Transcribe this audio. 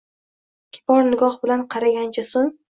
Kibor nigoh bilan qaragancha so’ng